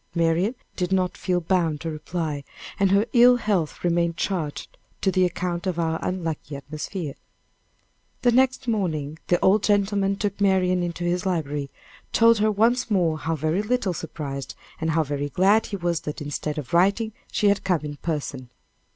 Marian did not feel bound to reply, and her ill health remained charged to the account of our unlucky atmosphere. The next morning, the old gentleman took Marian into his library, told her once more how very little surprised, and how very glad he was that instead of writing, she had come in person.